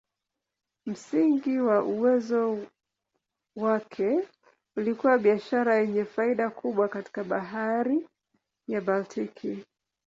Msingi wa uwezo wake ulikuwa biashara yenye faida kubwa katika Bahari ya Baltiki.